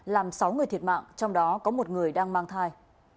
làm sáu người thiệt mạng trong đó có một người đang mang thai